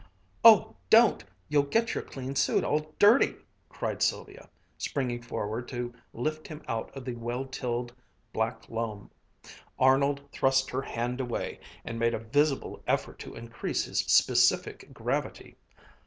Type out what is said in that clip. "Oh, don't! You'll get your clean suit all dirty!" cried Sylvia, springing forward to lift him out of the well tilled black loam. Arnold thrust her hand away and made a visible effort to increase his specific gravity.